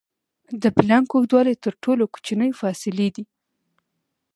د پلانک اوږدوالی تر ټولو کوچنۍ فاصلې ده.